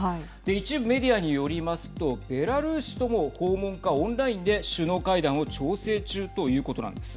一部メディアによりますとベラルーシとも訪問かオンラインでの首脳会談を調整中ということなんです。